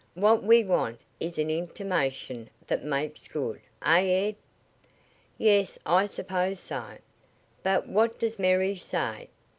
What we want is an intimation that makes good, eh, Ed?" "Yes, I suppose so. But what does Mary say?"